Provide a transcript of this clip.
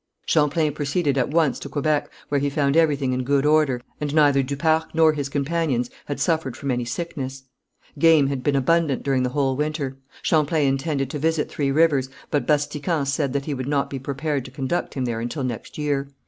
Champlain proceeded at once to Quebec, where he found everything in good order, and neither du Parc nor his companions had suffered from any sickness. Game had been abundant during the whole winter. Champlain intended to visit Three Rivers, but Batiscan said that he would not be prepared to conduct him there until next year.